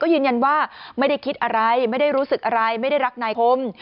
ยืนยันว่าไม่ได้คิดอะไรไม่ได้รู้สึกอะไรไม่ได้รักนายคม